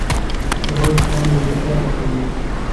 ورور د تا ملګرتیا خوښوي.